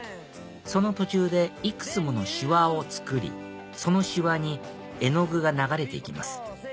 その途中でいくつものシワを作りそのシワに絵の具が流れて行きます